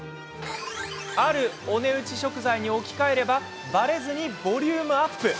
あるお値打ち食材に置き換えればばれずにボリュームアップ。